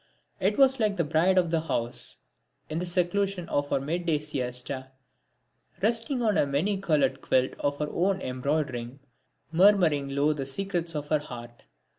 It was like the bride of the house, in the seclusion of her midday siesta, resting on a many coloured quilt of her own embroidering, murmuring low the secrets of her heart.